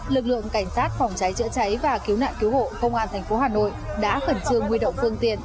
lực lượng cảnh sát phòng cháy chữa cháy và cứu nạn cứu hộ công an thành phố hà nội đã khẩn trương nguy động phương tiện